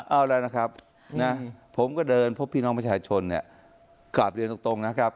เอาแล้วนะครับนะผมก็เดินพบพี่น้องประชาชนเนี่ยกราบเรียนตรงนะครับ